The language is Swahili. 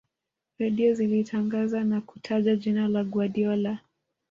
redio zilitangaza na kutaja jina la guardiola